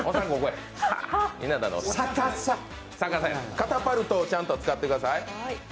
カタパルトをちゃんと使ってください。